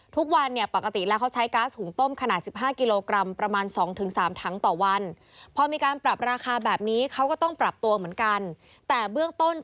ทุกวันเนี่ยปกติแล้วเขาใช้ก๊าซหุงต้มขนาด๑๕กิโลกรัมประมาณ๒๓ถังต่อวัน